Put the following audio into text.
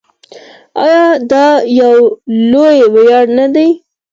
آیا دا یو لوی ویاړ نه دی؟